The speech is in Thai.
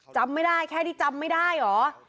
จำไม่ได้แค่ที่จำไม่ได้เหรอ